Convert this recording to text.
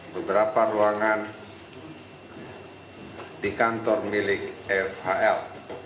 beberapa ruangan di kantor milik fhl